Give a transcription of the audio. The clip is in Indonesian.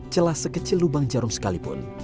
celah sekecil lubang jarum sekalipun